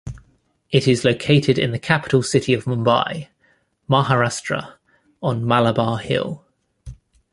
It is located in the capital city of Mumbai, Maharashtra on Malabar Hill.